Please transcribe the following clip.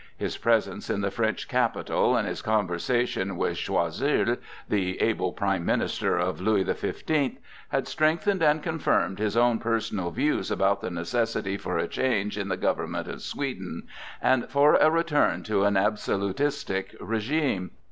His presence in the French capital and his conversations with Choiseul, the able prime minister of Louis the Fifteenth, had strengthened and confirmed his own personal views about the necessity for a change in the government of Sweden and for a return to an absolutistic régime.